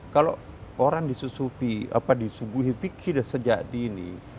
kalau orang disusupi apa disubuhi fikih sejak dini